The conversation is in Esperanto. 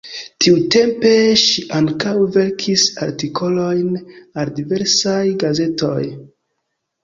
Tiutempe ŝi ankaŭ verkis artikolojn al diversaj gazetoj.